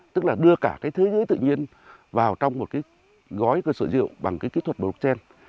tức là đưa cả cái thế giới tự nhiên vào trong một cái gói cơ sở rượu bằng cái kỹ thuật blockchain